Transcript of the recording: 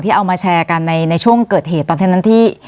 เอามาแชร์กันในช่วงเกิดเหตุตอนเท่านั้นที่